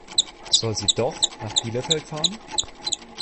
Soll sie doch nach Bielefeld fahren?